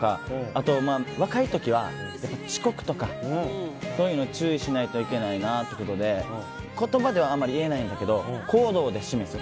あとは若い時は遅刻とかそういうのを注意しなきゃいけないということで言葉ではあまり言えないんだけど行動で示す。